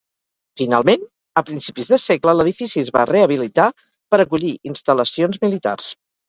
Finalment, a principis de segle, l'edifici es va rehabilitar per acollir instal·lacions militars.